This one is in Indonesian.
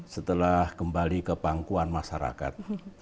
setelah kembali ke pangkuan masyarakat